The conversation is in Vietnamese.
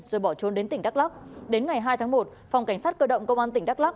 rồi bỏ trốn đến tỉnh đắk lắc đến ngày hai tháng một phòng cảnh sát cơ động công an tỉnh đắk lắc